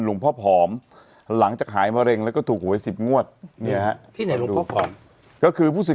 รกจิตจะไม่ได้สำเร็จผ้าหูมานี่